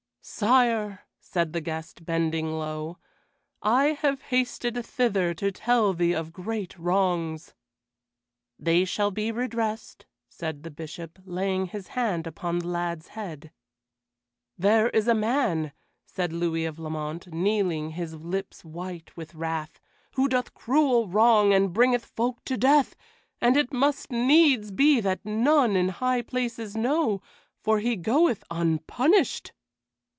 "Sire," said the guest, bending low, "I have hasted thither to tell thee of great wrongs." "They shall be redressed," said the Bishop, laying his hand upon the lad's head. "There is a man," said Louis of Lamont, kneeling, his lips white with wrath, "who doeth cruel wrong and bringeth folk to death, and it must needs be that none in high places know, for he goeth unpunished."